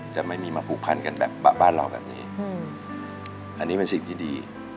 จะไม่มีมาผูกพันกันแบบบ้านเราแบบนี้อันนี้เป็นสิ่งที่ดี